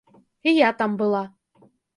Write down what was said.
І я там была.